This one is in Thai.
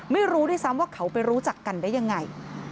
ไม่รู้ด้วยซ้ำว่าเขาไปรู้จักกันได้ยังไง